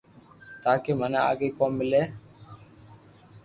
تاڪي مني آگي ڪوم ملي